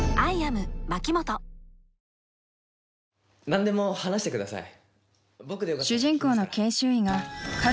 何でも話してください。